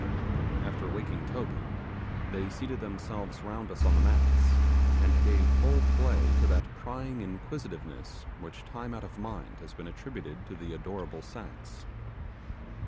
After waking Toby, they seated themselves round us on the mats, and gave full play to that prying inquisitiveness which time out of mind has been attributed to the adorable sex.